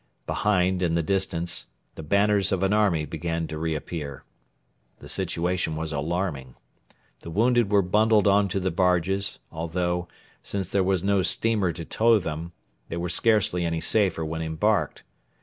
Behind, in the distance, the banners of an army began to re appear. The situation was alarming. The wounded were bundled on to the barges, although, since there was no steamer to tow them, they were scarcely any safer when embarked.